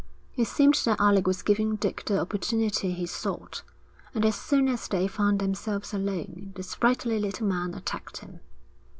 It seemed that Alec was giving Dick the opportunity he sought, and as soon as they found themselves alone, the sprightly little man attacked him.